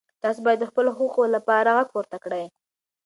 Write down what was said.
تاسو باید د خپلو حقوقو لپاره غږ پورته کړئ.